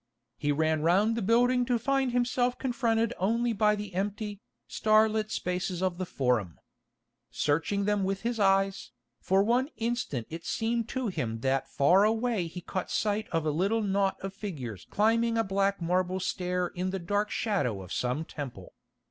He ran round the building to find himself confronted only by the empty, star lit spaces of the Forum. Searching them with his eyes, for one instant it seemed to him that far away he caught sight of a little knot of figures climbing a black marble stair in the dark shadow of some temple.